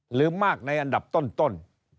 หรือมากในอันดับต้น